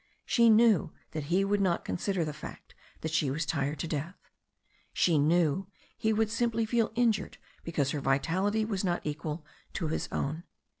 She knew that he would not consider the fact that she was tired to death. She knew he would simply feel injured because her vitality was not equal to his own.